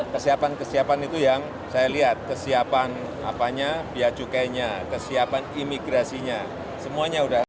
kesiapan kesiapan itu yang saya lihat kesiapan apanya biaya cukainya kesiapan imigrasinya semuanya sudah